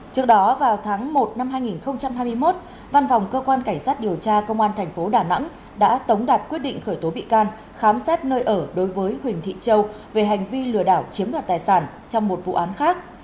trước đó vào tháng một năm hai nghìn hai mươi một văn phòng cơ quan cảnh sát điều tra công an thành phố đà nẵng đã tống đạt quyết định khởi tố bị can khám xét nơi ở đối với huỳnh thị châu về hành vi lừa đảo chiếm đoạt tài sản trong một vụ án khác